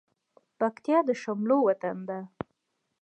پکتيا د شملو وطن ده